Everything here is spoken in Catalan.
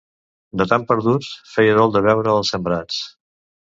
De tan perduts, feia dol de veure els sembrats.